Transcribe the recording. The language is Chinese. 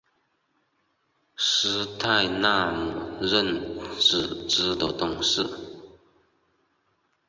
斯泰纳姆任组织的董事。